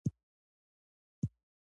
ښوونځي د باور خپرولو مرکزونه دي.